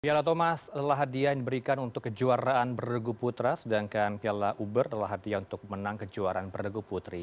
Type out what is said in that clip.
piala thomas lelah hadiah yang diberikan untuk kejuaraan bergu putra sedangkan piala uber adalah hadiah untuk menang kejuaraan berdegu putri